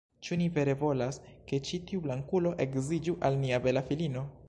"Ĉu ni vere volas, ke ĉi tiu blankulo edziĝu al nia bela filino?"